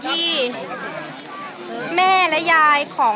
มีแต่โดนล้าลาน